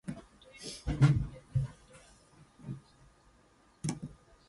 He was also a pioneer in the study of microscopic specimens using vital stains.